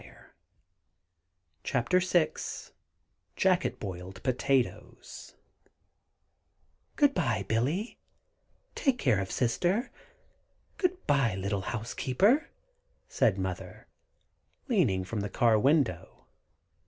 ] CHAPTER VI JACKET BOILED POTATOES "GOOD BYE, Billy! Take good care of Sister. Good bye, little Housekeeper!" said Mother, leaning from the car window.